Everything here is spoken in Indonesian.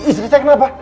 istri saya kenapa